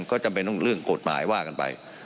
ก็จะเป็นเรื่องกฎหมายว่ากันไป